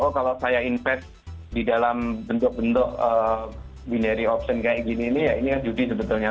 kalau saya invest di dalam bentuk bentuk binary option kayak gini ini ya ini kan judi sebetulnya